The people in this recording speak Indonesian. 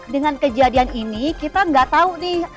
dengan kejadian ini kita nggak tahu nih